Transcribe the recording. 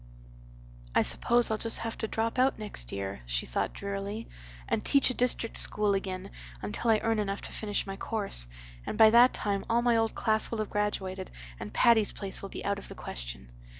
"I suppose I'll just have to drop out next year," she thought drearily, "and teach a district school again until I earn enough to finish my course. And by that time all my old class will have graduated and Patty's Place will be out of the question.